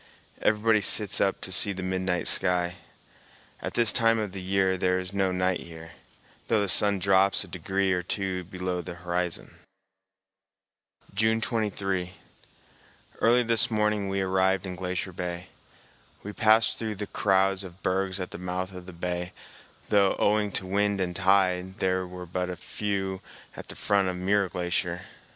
Everybody sits up to see the midnight sky. At this time of the year there is no night here, though the sun drops a degree or two below the horizon. One may read at twelve o'clock San Francisco time. June 23. Early this morning we arrived in Glacier Bay. We passed through crowds of bergs at the mouth of the bay, though, owing to wind and tide, there were but few at the front of Muir Glacier.